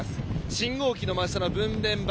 信号機の真下の分電盤